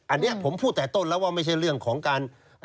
อันนี้ผมพูดแต่ต้นแล้วว่าไม่ใช่เรื่องของการ